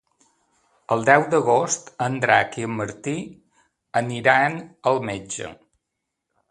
El deu d'agost en Drac i en Martí aniran al metge.